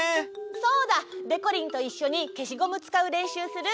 そうだ！でこりんといっしょにけしゴムつかうれんしゅうする？